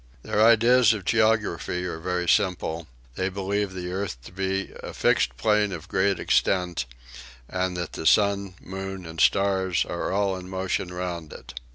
Their ideas of geography are very simple: they believe the world to be a fixed plane of great extent; and that the sun, moon, and stars are all in motion round it.